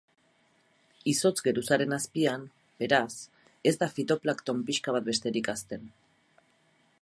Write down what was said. Izotz geruzaren azpian, beraz, ez da fitoplankton pixka bat besterik hazten.